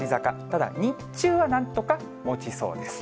ただ、日中はなんとかもちそうです。